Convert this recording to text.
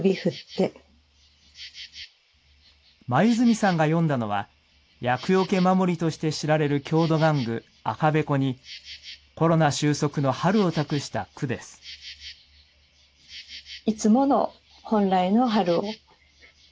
黛さんが詠んだのは、厄よけ守りとして知られる郷土玩具、赤べこに、コロナ収束の春を託した句です。